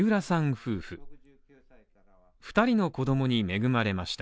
夫婦２人の子供に恵まれました。